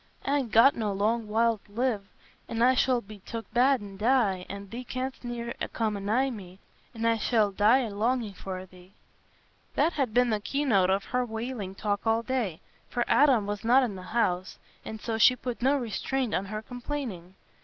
I'n got no long while t' live. An' I shall be took bad an' die, an' thee canst ne'er come a nigh me, an' I shall die a longing for thee." That had been the key note of her wailing talk all day; for Adam was not in the house, and so she put no restraint on her complaining.